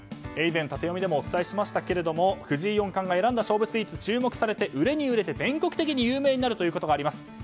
以前、タテヨミでもお伝えしましたけれども藤井四冠が選んだ勝負スイーツ注目されて売れに売れて全国的に有名になるということがあります。